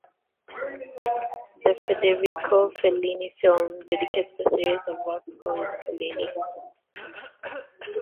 The Federico Fellini film dedicates the series of works called Fellini.